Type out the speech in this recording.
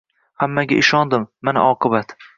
Hammaga ishondim, mana oqibat: